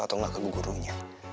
atau nggak ke gurunya